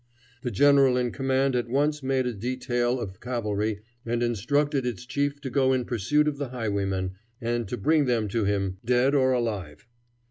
The general in command at once made a detail of cavalry and instructed its chief to go in pursuit of the highwaymen, and to bring them to him, dead or alive.